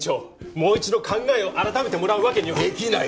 もう一度考えを改めてもらうわけにはできない！